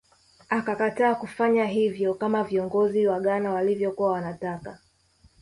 Akakataa kufanya hivyo kama viongozi wa Ghana walivyokuwa wanataka